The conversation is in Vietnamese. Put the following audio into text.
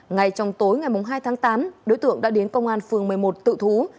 ngay trong tối ngày hai tháng tám đối tượng đã đến công an phường một mươi một tự thú